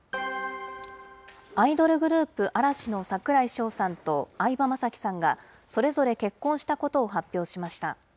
アイドルグループ、嵐の櫻井翔さんと相葉雅紀さんが、それぞれ結婚したことを発表しました。